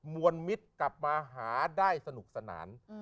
มวลมิตรกลับมาหาได้สนุกสนาน